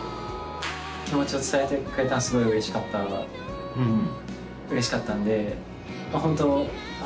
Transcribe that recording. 気持ちを伝えてくれたのすごい嬉しかった嬉しかったんでまあ